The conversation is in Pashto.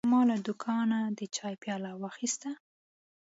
ما له دوکانه د چای پیاله واخیسته.